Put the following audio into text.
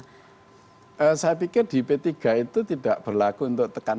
tentu saya sudah bisa mengucapkan apa yaitu khususnya yang dikitkan